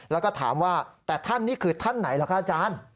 แล้วก็ถามว่าแต่ท่านนี่คือท่านไหนล่ะคะอาจารย์